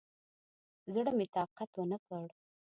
زړه مې طاقت ونکړ.